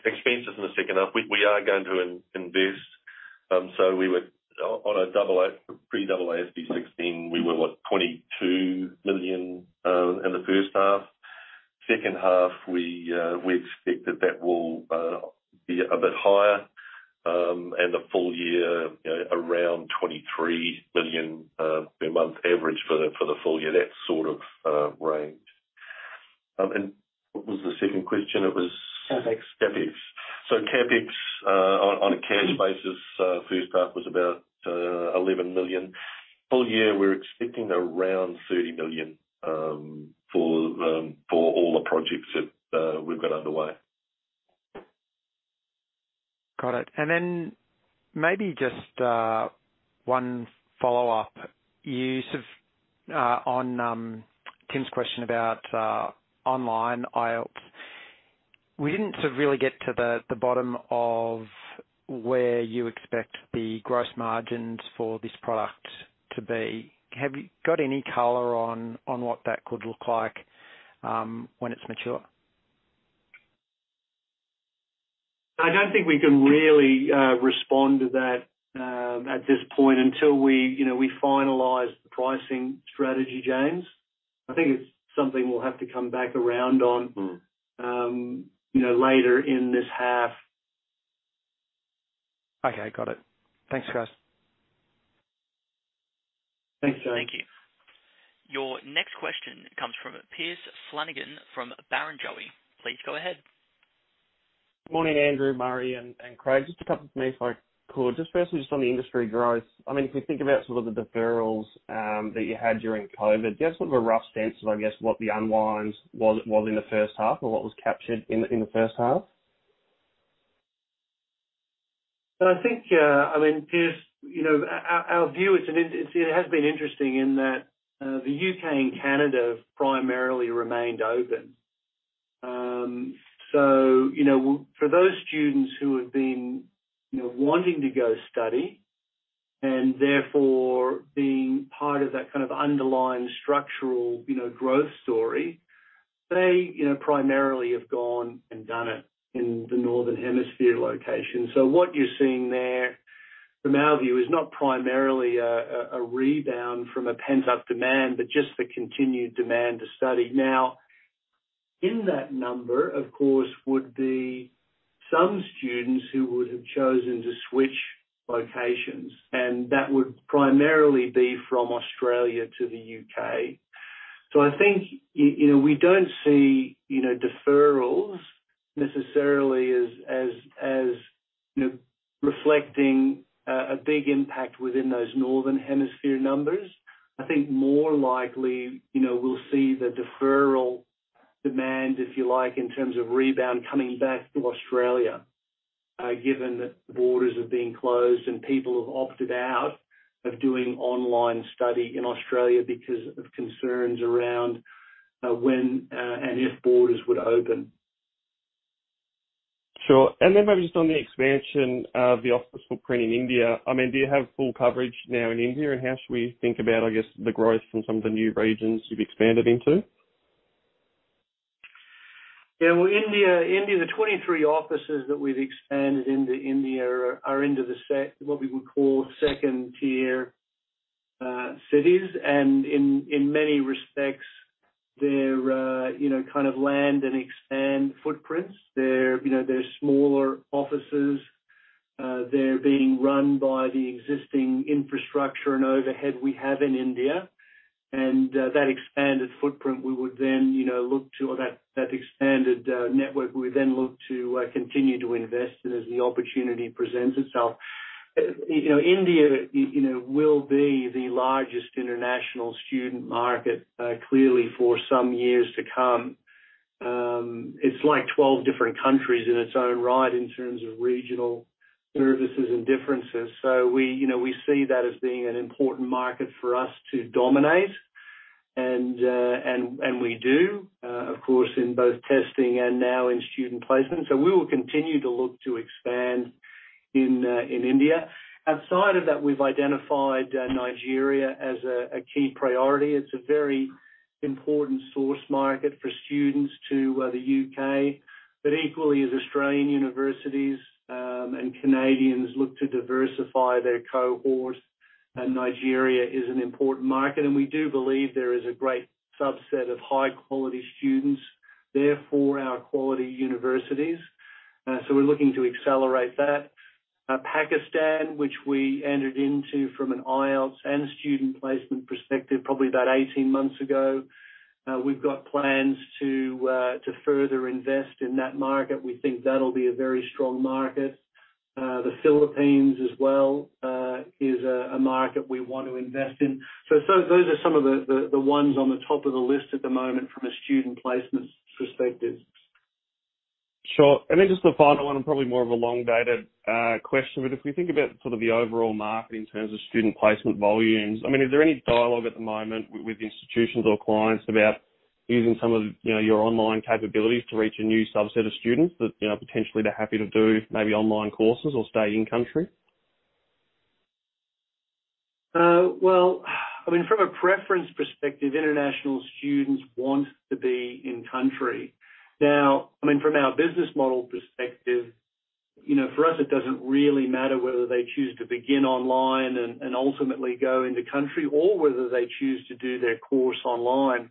expenses in the H2, we are going to invest. We were on a pre-AASB 16, we were 22 million in the H1. H2, we expect that will be a bit higher. The full year, you know, around 23 million per month average for the full year. That sort of range. What was the 2nd question? CapEx. CapEx on a cash basis, H1 was about 11 million. Full year, we're expecting around 30 million for all the projects that we've got underway. Got it. Then maybe just one follow-up. On Tim's question about IELTS Online. We didn't sort of really get to the bottom of where you expect the gross margins for this product to be. Have you got any color on what that could look like when it's mature? I don't think we can really respond to that at this point until we you know we finalize the pricing strategy, James. I think it's something we'll have to come back around on. Mm. You know, later in this half. Okay. Got it. Thanks, guys. Thanks, James. Thank you. Your next question comes from Piers Flanagan from Barrenjoey. Please go ahead. Morning, Andrew, Murray, and Craig. Just a couple from me if I could. Just firstly, just on the industry growth. I mean, if you think about sort of the deferrals that you had during COVID, do you have sort of a rough sense of, I guess, what the unwinds was in the H1, or what was captured in the H1? I think, I mean, Piers, you know, our view is, it has been interesting in that, the U.K. and Canada have primarily remained open. You know, for those students who have been, you know, wanting to go study and therefore being part of that kind of underlying structural, you know, growth story, they, you know, primarily have gone and done it in the Northern Hemisphere location. What you're seeing there, from our view, is not primarily a rebound from a pent-up demand, but just the continued demand to study. Now, in that number, of course, would be some students who would have chosen to switch locations, and that would primarily be from Australia to the U.K. I think, you know, we don't see, you know, deferrals necessarily as, you know, reflecting a big impact within those Northern Hemisphere numbers. I think more likely, you know, we'll see the deferral demand, if you like, in terms of rebound coming back to Australia, given that the borders have been closed and people have opted out of doing online study in Australia because of concerns around when and if borders would open. Sure. Maybe just on the expansion of the office footprint in India. I mean, do you have full coverage now in India? How should we think about, I guess, the growth from some of the new regions you've expanded into? Yeah. Well, India, the 23 offices that we've expanded into India are into what we would call 2nd-tier cities. In many respects, they're you know, kind of land and expand footprints. They're you know, smaller offices. They're being run by the existing infrastructure and overhead we have in India. That expanded footprint, we would then look to, or that expanded network, we then look to continue to invest in as the opportunity presents itself. You know, India will be the largest international student market clearly for some years to come. It's like 12 different countries in its own right in terms of regional services and differences. We, you know, we see that as being an important market for us to dominate and we do, of course, in both testing and now in student placement. We will continue to look to expand in India. Outside of that, we've identified Nigeria as a key priority. It's a very important source market for students to the U.K. Equally as Australian universities and Canadians look to diversify their cohort, and Nigeria is an important market. We do believe there is a great subset of high-quality students there for our quality universities. We're looking to accelerate that. Pakistan, which we entered into from an IELTS and student placement perspective probably about 18 months ago, we've got plans to further invest in that market. We think that'll be a very strong market. The Philippines as well is a market we want to invest in. Those are some of the ones on the top of the list at the moment from a student placement perspective. Sure. Just the final one, and probably more of a long-dated question. If we think about sort of the overall market in terms of student placement volumes, I mean, is there any dialogue at the moment with institutions or clients about using some of, you know, your online capabilities to reach a new subset of students that, you know, potentially they're happy to do maybe online courses or stay in country? Well, I mean, from a preference perspective, international students want to be in country. Now, I mean, from our business model perspective, you know, for us, it doesn't really matter whether they choose to begin online and ultimately go into country or whether they choose to do their course online.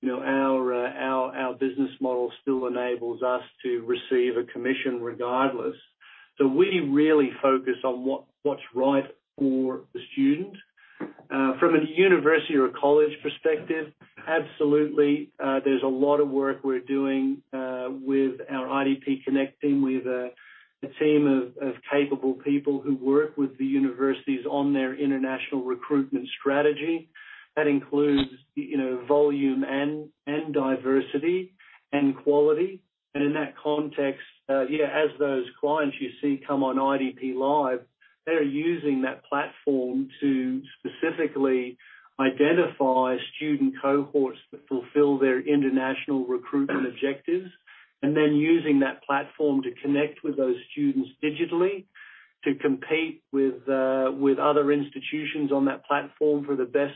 You know, our business model still enables us to receive a commission regardless. We really focus on what's right for the student. From a university or a college perspective, absolutely, there's a lot of work we're doing with our IDP Connect team. We have a team of capable people who work with the universities on their international recruitment strategy. That includes, you know, volume and diversity and quality. In that context, as those clients you see come on IDP Live, they're using that platform to specifically identify student cohorts that fulfill their international recruitment objectives, and then using that platform to connect with those students digitally, to compete with other institutions on that platform for the best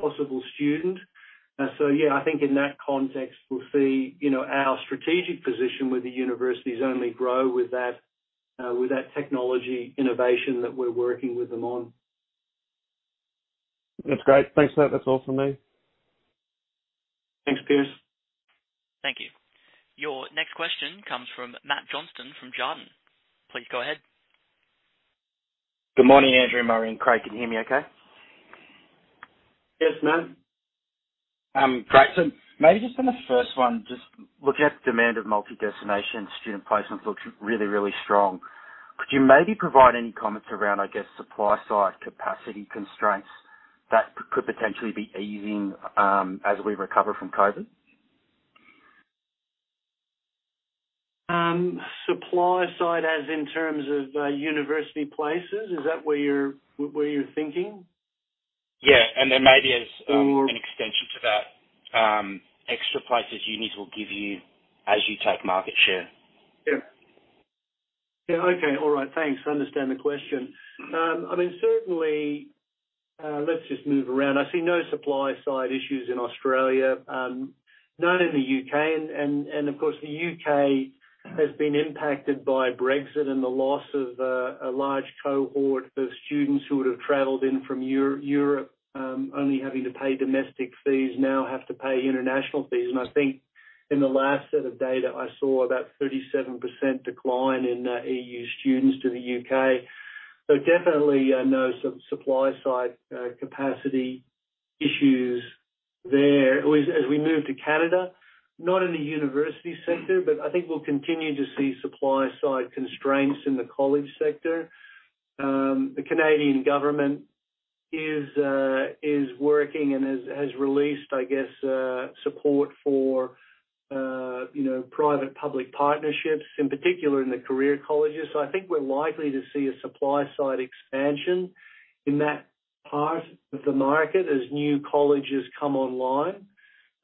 possible student. I think in that context, we'll see, you know, our strategic position with the universities only grow with that technology innovation that we're working with them on. That's great. Thanks for that. That's all for me. Thanks, Piers. Thank you. Your next question comes from Matt Johnston from Jarden. Please go ahead. Good morning, Andrew, Murray, Craig. Can you hear me okay? Yes, Matt. Great. Maybe just on the 1st one, just looking at demand of multi-destination student placements looks really, really strong. Could you maybe provide any comments around, I guess, supply side capacity constraints that could potentially be easing, as we recover from COVID? Supply side as in terms of university places? Is that where you're thinking? Yeah. Then maybe Or- An extension to that, extra places unis will give you as you take market share. I understand the question. I mean, certainly, let's just move around. I see no supply side issues in Australia, none in the U.K. Of course, the U.K. has been impacted by Brexit and the loss of a large cohort of students who would've traveled in from Europe, only having to pay domestic fees, now have to pay international fees. I think in the last set of data I saw, about 37% decline in EU students to the U.K. Definitely, no supply side capacity issues there. As we move to Canada, not in the university sector, but I think we'll continue to see supply side constraints in the college sector. The Canadian government is working and has released, I guess, support for, you know, private-public partnerships, in particular in the career colleges. I think we're likely to see a supply side expansion in that part of the market as new colleges come online.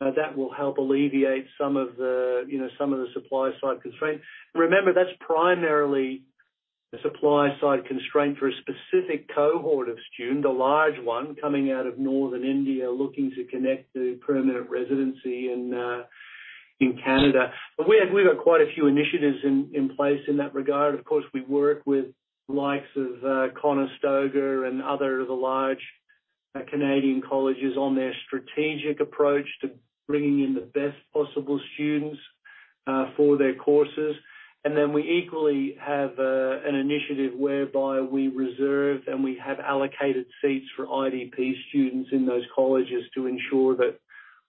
That will help alleviate some of the, you know, some of the supply side constraints. Remember, that's primarily a supply side constraint for a specific cohort of students, a large one coming out of Northern India looking to connect to permanent residency in Canada. We've got quite a few initiatives in place in that regard. Of course, we work with the likes of Conestoga and other of the large Canadian colleges on their strategic approach to bringing in the best possible students for their courses. We equally have an initiative whereby we reserve and we have allocated seats for IDP students in those colleges to ensure that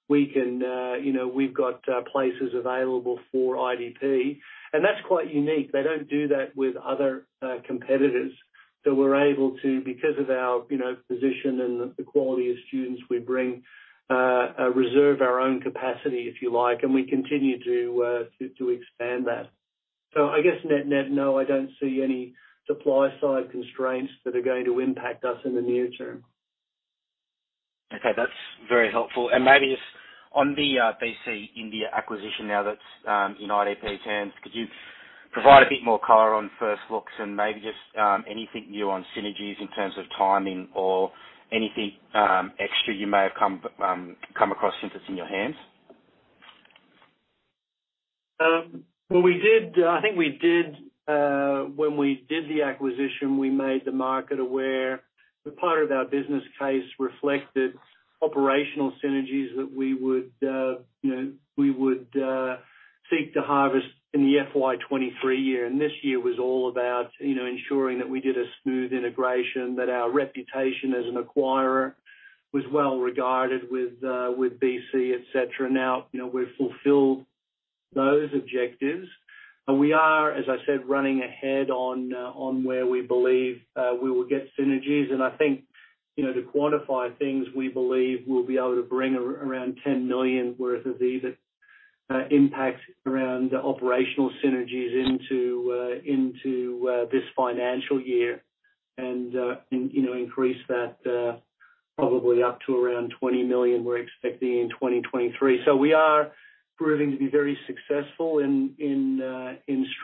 we can, you know, we've got places available for IDP. That's quite unique. They don't do that with other competitors. We're able to, because of our, you know, position and the quality of students we bring, reserve our own capacity, if you like, and we continue to expand that. I guess net-net, no, I don't see any supply-side constraints that are going to impact us in the near term. Okay, that's very helpful. Maybe just on the BC India acquisition now that's in IDP terms, could you provide a bit more color on 1st looks and maybe just anything new on synergies in terms of timing or anything extra you may have come across since it's in your hands? Well, I think we did, when we did the acquisition, we made the market aware. The part of our business case reflected operational synergies that we would, you know, seek to harvest in FY 2023. This year was all about, you know, ensuring that we did a smooth integration, that our reputation as an acquirer was well regarded with BC, et cetera. Now, you know, we've fulfilled those objectives and we are, as I said, running ahead on where we believe we will get synergies. I think, you know, to quantify things, we believe we'll be able to bring around 10 million worth of EBIT impact around operational synergies into this financial year and, you know, increase that probably up to around 20 million we're expecting in 2023. We are proving to be very successful in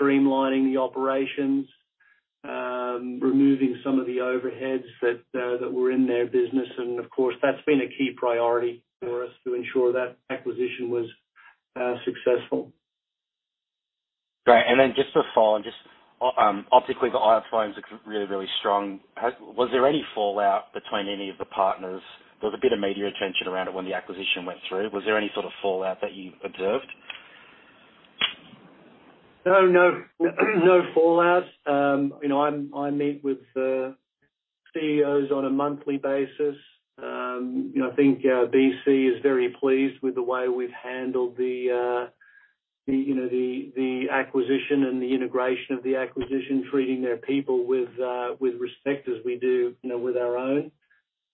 streamlining the operations, removing some of the overheads that were in their business. Of course, that's been a key priority for us to ensure that acquisition was successful. Great. Just to follow on, just, optically, the IELTS volumes look really strong. Was there any fallout between any of the partners? There was a bit of media attention around it when the acquisition went through. Was there any sort of fallout that you observed? No fallout. You know, I meet with the CEOs on a monthly basis. You know, I think BC is very pleased with the way we've handled the acquisition and the integration of the acquisition, treating their people with respect as we do, you know, with our own.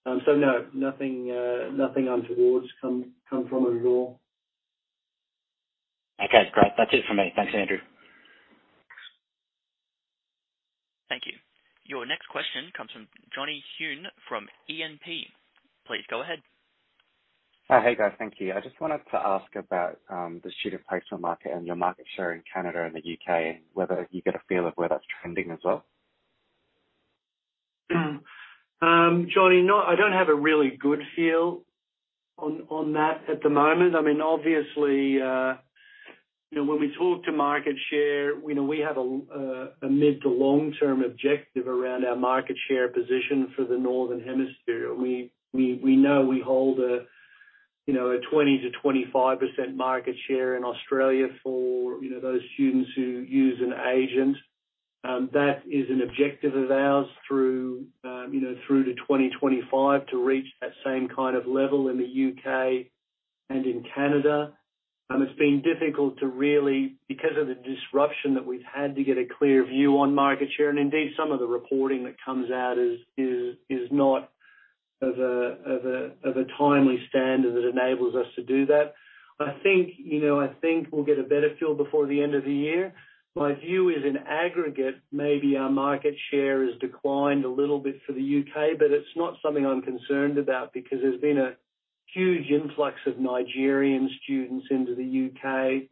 No, nothing untoward has come from it at all. Okay, great. That's it for me. Thanks, Andrew. Thank you. Your next question comes from Jon Huhn from E&P. Please go ahead. Hi. Hey, guys. Thank you. I just wanted to ask about the student placement market and your market share in Canada and the U.K., and whether you get a feel of where that's trending as well. Johnny, no, I don't have a really good feel on that at the moment. I mean, obviously, you know, when we talk to market share, you know, we have a mid to long-term objective around our market share position for the Northern Hemisphere. We know we hold a you know, a 20%-25% market share in Australia for you know, those students who use an agent. That is an objective of ours through you know, through to 2025 to reach that same kind of level in the U.K. and in Canada. It's been difficult because of the disruption that we've had to get a clear view on market share, and indeed some of the reporting that comes out is not of a timely standard that enables us to do that. I think, you know, I think we'll get a better feel before the end of the year. My view is, in aggregate, maybe our market share has declined a little bit for the U.K., but it's not something I'm concerned about because there's been a huge influx of Nigerian students into the U.K.,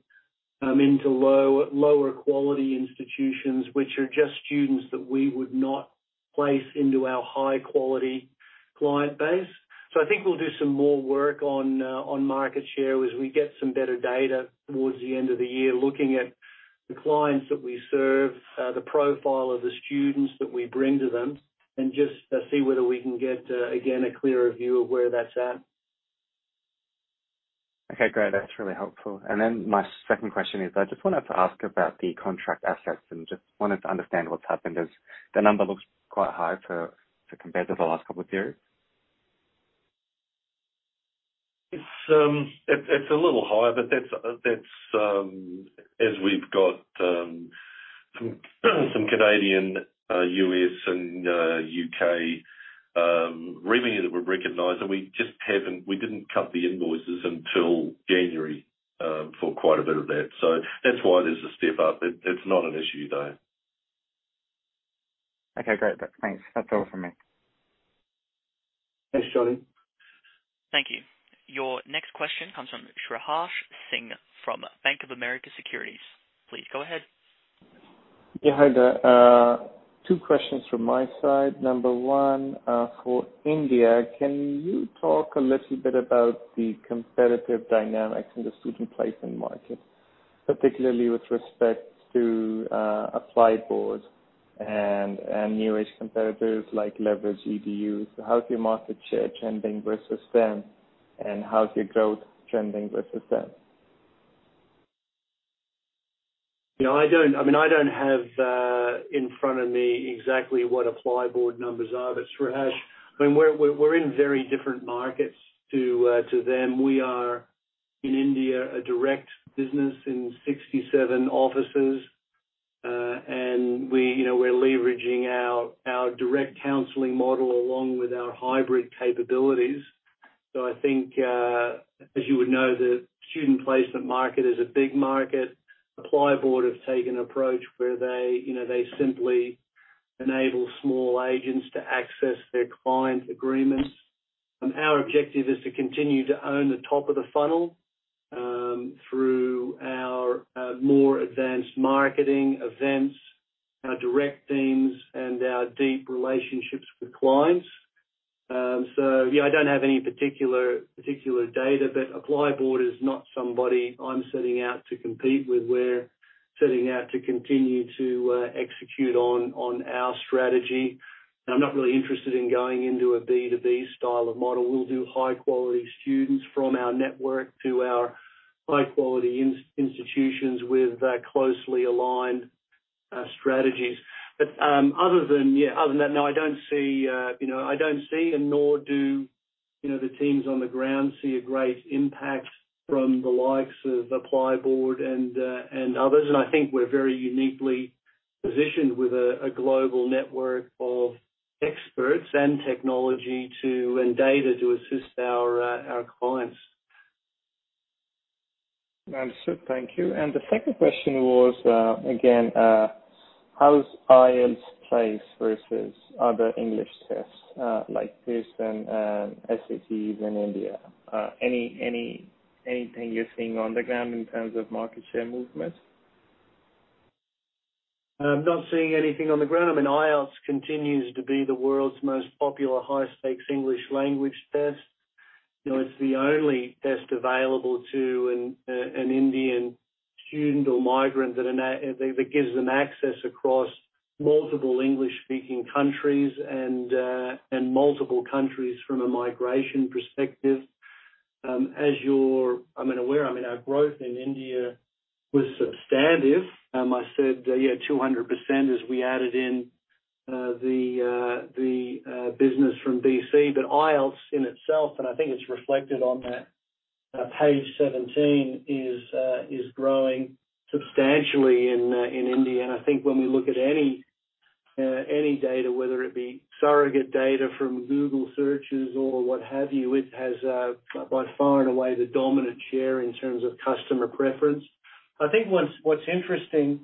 into lower quality institutions, which are just students that we would not place into our high-quality client base. I think we'll do some more work on market share as we get some better data towards the end of the year, looking at the clients that we serve, the profile of the students that we bring to them, and just see whether we can get again a clearer view of where that's at. Okay, great. That's really helpful. My 2nd question is, I just wanted to ask about the contract assets and just wanted to understand what's happened, as the number looks quite high for compared to the last couple of years. It's a little higher, but that's as we've got some Canadian, U.S., and U.K. revenue that we've recognized, and we just didn't cut the invoices until January for quite a bit of that. So that's why there's a step up. It's not an issue, though. Okay, great. Thanks. That's all from me. Thanks, Johnny. Thank you. Your next question comes from Shreyas Singh from Bank of America Securities. Please go ahead. Hi there. Two questions from my side. Number one, for India, can you talk a little bit about the competitive dynamics in the student placement market, particularly with respect to ApplyBoard and new-age competitors like Leverage Edu? How's your market share trending versus them, and how's your growth trending versus them? You know, I mean, I don't have in front of me exactly what ApplyBoard numbers are. Shreyas, I mean, we're in very different markets to them. We are in India a direct business in 67 offices, and you know, we're leveraging our direct counseling model along with our hybrid capabilities. I think as you would know, the student placement market is a big market. ApplyBoard have taken an approach where they, you know, they simply enable small agents to access their clients' agreements. Our objective is to continue to own the top of the funnel through our more advanced marketing events, our direct teams, and our deep relationships with clients. Yeah, I don't have any particular data, but ApplyBoard is not somebody I'm setting out to compete with. We're setting out to continue to execute on our strategy. I'm not really interested in going into a B2B style of model. We'll do high-quality students from our network to our high-quality institutions with closely aligned strategies. Other than that, no, I don't see you know and nor do you know the teams on the ground see a great impact from the likes of ApplyBoard and others. I think we're very uniquely positioned with a global network of experts and technology and data to assist our clients. Understood. Thank you. The 2nd question was, again, how's IELTS placed versus other English tests, like Pearson, PTE in India? Anything you're seeing on the ground in terms of market share movements? I'm not seeing anything on the ground. I mean, IELTS continues to be the world's most popular high-stakes English language test. You know, it's the only test available to an Indian student or migrant that gives them access across multiple English-speaking countries and multiple countries from a migration perspective. As you're aware, our growth in India was substantive. I said, yeah, 200% as we added the business from BC. But IELTS in itself, and I think it's reflected on that page 17, is growing substantially in India. I think when we look at any data, whether it be surrogate data from Google searches or what have you, it has by far and away the dominant share in terms of customer preference. I think what's interesting,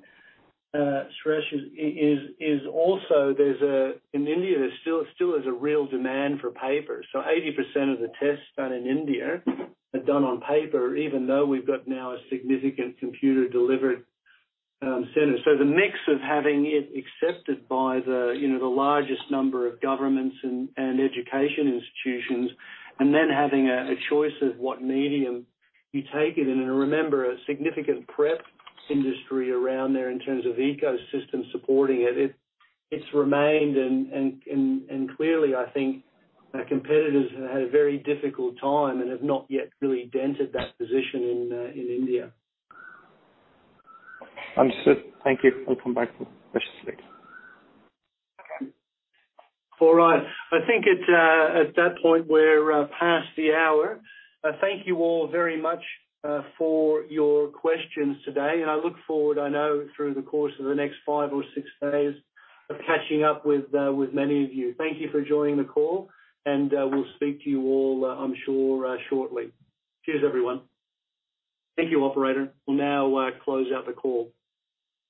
Shreyas, is also there's in India there still is a real demand for paper. 80% of the tests done in India are done on paper, even though we've got now a significant computer-delivered center. The mix of having it accepted by, you know, the largest number of governments and education institutions, and then having a choice of what medium you take it in. Remember, a significant prep industry around there in terms of ecosystem supporting it. It's remained, and clearly, I think our competitors have had a very difficult time and have not yet really dented that position in India. Understood. Thank you. I'll come back with questions later. Okay. All right. I think at that point, we're past the hour. Thank you all very much for your questions today, and I look forward, I know through the course of the next 5 or 6 days of catching up with many of you. Thank you for joining the call, and we'll speak to you all, I'm sure, shortly. Cheers, everyone. Thank you, operator. We'll now close out the call.